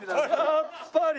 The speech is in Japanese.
やっぱり！